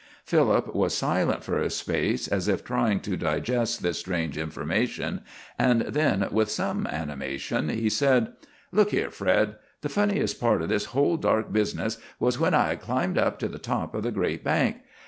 Philip was silent for a space, as if trying to digest this strange information, and then with some animation he said: "Look here, Fred! The funniest part of this whole dark business was when I had climbed up to the top of the great bank.